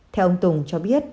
theo ông tùng cho biết